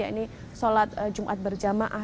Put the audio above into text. yaitu sholat jum'at berjamaah